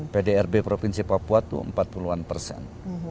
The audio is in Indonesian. pdrb provinsi papua itu empat puluh an persen